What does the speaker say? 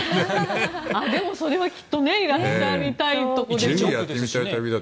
でもそれはきっといらっしゃりたいところでしょうね。